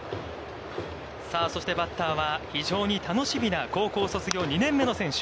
そしてバッターは非常に楽しみな高校卒業２年目の選手。